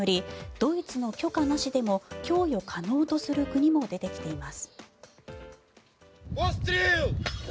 ドイツの許可なしでも供与可能とする国も出てきています。